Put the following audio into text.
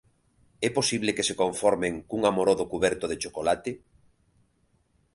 É posible que se conformen cun amorodo cuberto de chocolate?